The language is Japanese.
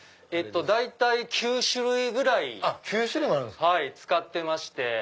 大体９種類ぐらい使ってまして。